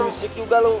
berisik juga lu